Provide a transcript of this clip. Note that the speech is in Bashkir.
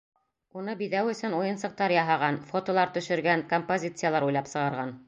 Уны биҙәү өсөн уйынсыҡтар яһаған, фотолар төшөргән, композициялар уйлап сығарған.